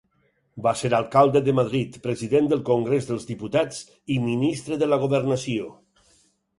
Va ser alcalde de Madrid, president del Congrés dels Diputats i ministre de la Governació.